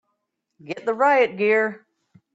Get the riot gear!